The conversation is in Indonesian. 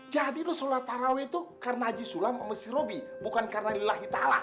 jadi lo sholat terawih itu karena haji sulam sama si robi bukan karena lelahi ta'ala